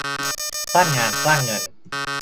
สร้างงาน สร้างเงิน